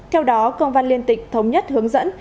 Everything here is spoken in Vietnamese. theo đó công văn liên tịch thống nhất hướng dẫn